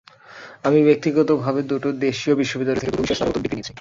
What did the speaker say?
আমি ব্যক্তিগতভাবে দুটো দেশীয় বিশ্ববিদ্যালয় থেকে দুটো বিষয়ে স্নাতকোত্তর ডিগ্রি নিয়েছি।